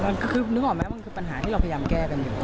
คือนึกออกไหมมันคือปัญหาที่เราพยายามแก้กันอยู่